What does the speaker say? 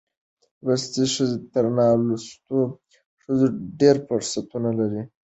لوستې ښځې تر نالوستو ښځو ډېر فرصتونه لري.